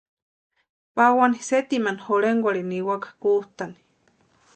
Pawani sétima jorhenkwarhini niwaka kustani.